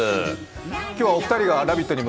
今日はお二人が「ラヴィット！」にも